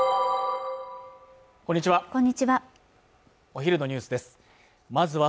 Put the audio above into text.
こんにちは